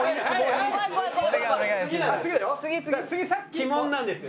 鬼門なんですよ。